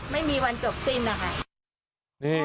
ไม่มีวันจบสิ้นนะคะ